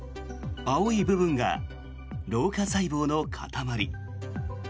青い部分が老化細胞の塊。